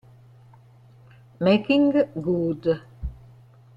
Making Good